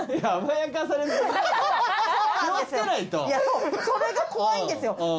いやそうそれが怖いんですよ。